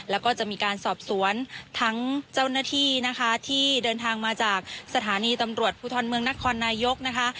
แล้วก็จะมีการสอบสวนทั้งเจ้าหน้าที่นะคะที่เดินทางมาจากสถานีตำรวจภูทรเมืองนครนายกนะคะ